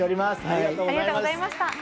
ありがとうございます。